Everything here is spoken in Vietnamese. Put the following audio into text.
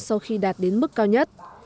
sau khi đạt đến mức cao nhất